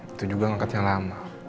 itu juga ngangkatnya lama